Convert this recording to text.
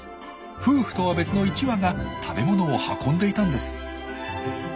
夫婦とは別の１羽が食べ物を運んでいたんです。